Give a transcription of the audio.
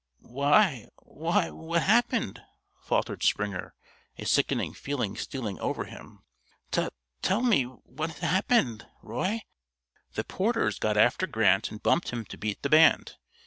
"Why why, what happened?" faltered Springer, a sickening feeling stealing over him. "Tut tell me what ha happened, Roy." "The Porters got after Grant and bumped him to beat the band.